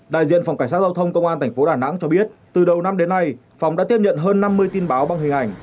đại diện phòng cảnh sát giao thông công an tp đà nẵng cho biết từ đầu năm đến nay phòng đã tiếp nhận hơn năm mươi tin báo bằng hình ảnh